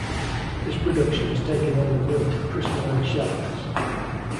This production has taken on the glint of crystalline sharpness.